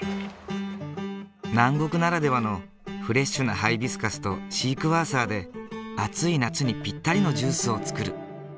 南国ならではのフレッシュなハイビスカスとシークワーサーで暑い夏にぴったりのジュースを作る。